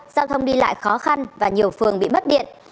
giao thông đi lại khó khăn và nhiều phường bị mất điện